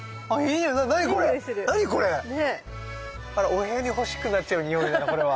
お部屋に欲しくなっちゃうにおいだなこれは。